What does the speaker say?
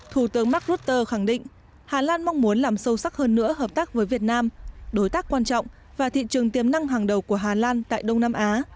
thủ tướng mark rutte khẳng định hà lan mong muốn làm sâu sắc hơn nữa hợp tác với việt nam đối tác quan trọng và thị trường tiềm năng hàng đầu của hà lan tại đông nam á